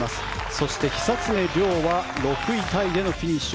そして、久常涼は６位タイでのフィニッシュ。